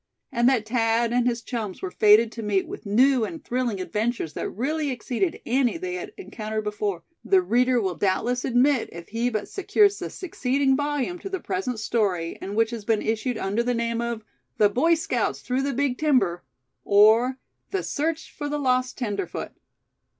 And that Thad and his chums were fated to meet with new and thrilling adventures that really exceeded any they had encountered before, the reader will doubtless admit if he but secures the succeeding volume to the present story, and which has been issued under the name of "The Boy Scouts Through the Big Timber; or, The Search for the Lost Tenderfoot."